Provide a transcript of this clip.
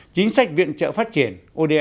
chính sách viện trợ phát triển